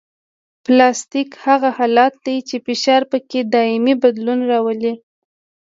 پلاستیک هغه حالت دی چې فشار پکې دایمي بدلون راولي